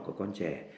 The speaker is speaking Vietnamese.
của con trẻ